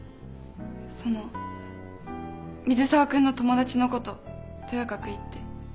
その水沢君の友達のこととやかく言って。